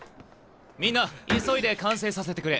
みんな急いで完成させてくれ。